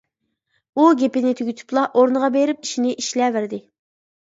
ئۇ گېپىنى تۈگىتىپلا ئورنىغا بېرىپ ئىشىنى ئىشلەۋەردى.